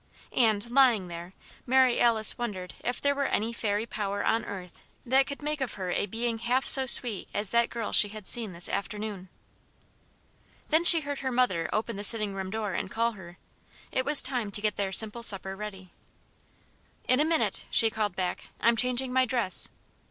And, lying there, Mary Alice wondered if there were any fairy power on earth that could make of her a being half so sweet as that girl she had seen this afternoon. Then she heard her mother open the sitting room door and call her. It was time to get their simple supper ready. "In a minute!" she called back. "I'm changing my dress."